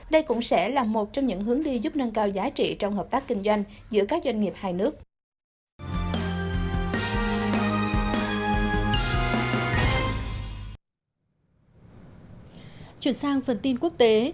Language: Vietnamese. đây cũng sẽ là một trong những hướng đi giúp nâng cao giá trị trong hợp tác kinh doanh giữa các doanh nghiệp hai nước